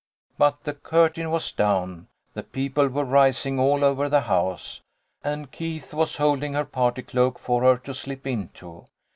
But the curtain was down, the people were rising all over the house, and Keith was holding her party cloak for her to slip into.